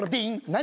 何？